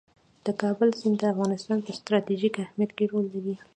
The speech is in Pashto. د کابل سیند د افغانستان په ستراتیژیک اهمیت کې رول لري.